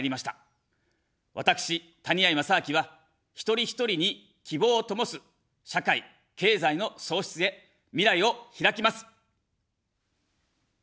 私、谷あい正明は、一人ひとりに希望を灯す社会・経済の創出へ、未来をひらきます。